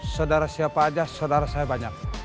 saudara siapa saja saudara saya banyak